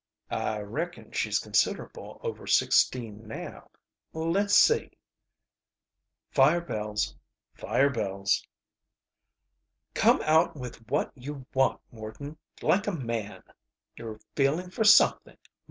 "I reckon she's considerable over sixteen now. Let's see " Fire bells. Fire bells. "Come out with what you want, Morton, like a man! You're feeling for something.